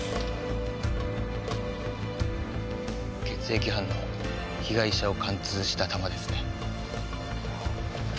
血液反応被害者を貫通した弾ですね。